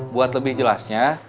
buat lebih jelasnya